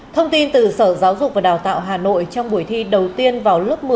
thông tin từ sở giáo dục và đào tạo hà nội trong buổi thi đầu tiên vào lớp một mươi